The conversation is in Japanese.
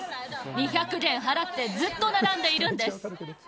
２００元払って、ずっと並んでいるんです。